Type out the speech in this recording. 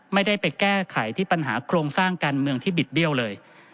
ไม่ได้ไปแก้ไขที่ปัญหาโครงสร้างการเมืองที่บิดเบี้ยวเลย